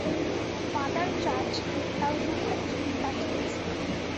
Mother চার্চকে কাল দুখানি ছবি পাঠিয়েছি।